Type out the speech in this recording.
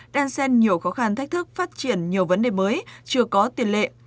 đang xem nhiều khó khăn thách thức phát triển nhiều vấn đề mới chưa có tiền lệ